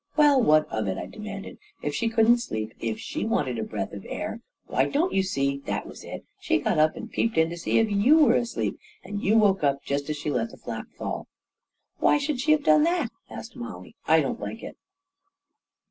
"Well, what of it?" I demanded. "If she couldn't sleep — if she wanted a breath of air — why, don't you see <— that was it ! She got up and peeped in to see if you were asleep, and you woke up just as she let the flap fall ..."" Why should she have done that? " asked Mollie. 44 1 don't like it!"